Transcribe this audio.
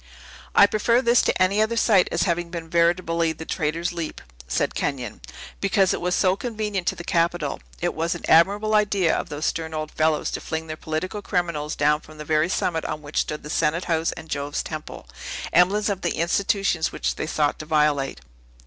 "I prefer this to any other site as having been veritably the Traitor's Leap," said Kenyon, "because it was so convenient to the Capitol. It was an admirable idea of those stern old fellows to fling their political criminals down from the very summit on which stood the Senate House and Jove's Temple, emblems of the institutions which they sought to violate.